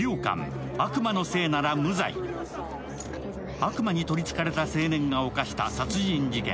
悪魔に取り憑かれた青年が侵した殺人事件。